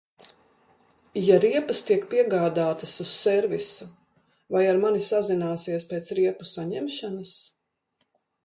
Ja riepas tiek piegādātas uz servisu, vai ar mani sazināsies pēc riepu saņemšanas?